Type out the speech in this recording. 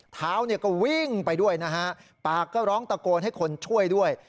เท้าก็วิ่งไปด้วยปากก็ร้องตะโกนให้คนช่วยด้วย